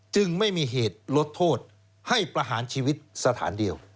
จึงไม่มีเหตุลดโทษให้ประหารชีวิตสถานเดียว